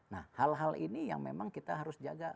nah hal hal ini yang memang kita harus jaga